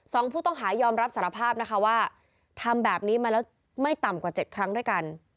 สองผู้ต้องหายอมรับสารภาพนะคะว่าทำแบบนี้มาแล้วไม่ต่ำกว่าเจ็ดครั้งด้วยกัน